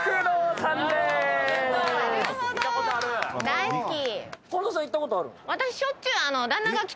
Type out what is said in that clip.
大好き。